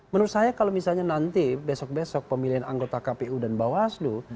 menurut saya kalau misalnya nanti besok besok pemilihan anggota kpu dan bawaslu